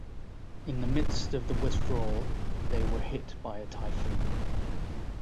In the midst of the withdrawal, they were hit by a typhoon.